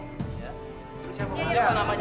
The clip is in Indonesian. terusnya apa namanya